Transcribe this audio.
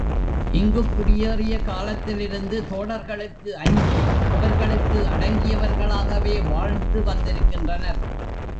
இங்குக் குடியேறிய காலத்திலிருந்து தோடர்களுக்கு அஞ்சி, அவர்களுக்கு அடங்கியவர்களாகவே வாழ்ந்து வந்திருக்கின்றனர்.